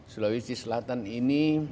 sulawesi selatan ini